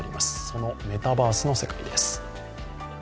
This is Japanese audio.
そのメタバースの世界です。